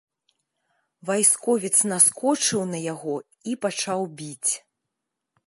Вайсковец наскочыў на яго і пачаў біць.